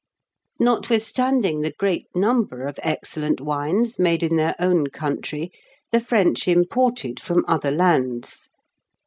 Notwithstanding the great number of excellent wines made in their own country, the French imported from other lands.